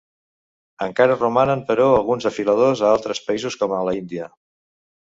Encara romanen però alguns afiladors a altres països com a l'Índia.